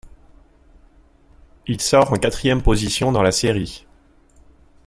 Il sort en quatrième position dans la série.